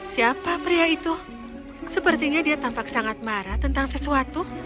siapa pria itu sepertinya dia tampak sangat marah tentang sesuatu